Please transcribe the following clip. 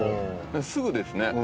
すぐですね。